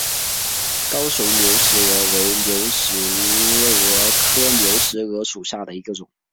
高雄流石蛾为流石蛾科流石蛾属下的一个种。